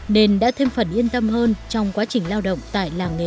nên đã thêm phần yên tâm hơn trong quá trình lao động tại làng nghề